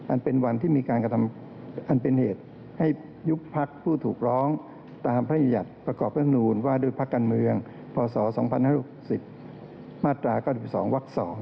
อันเป็นวันที่มีการกระทำอันเป็นเหตุให้ยุคภักดิ์ผู้ถูกร้องตามพศประกอบนูญว่าโดยภักดิ์การเมืองพศ๒๕๖๐มาตรา๙๒ว๒